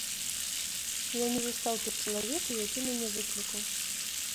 Я не застаў тут чалавека, які мяне выклікаў.